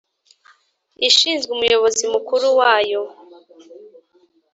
ishinzwe umuyobozi mukuru wayo